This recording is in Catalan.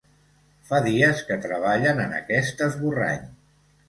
Fa dies que treballen en aquest esborrany.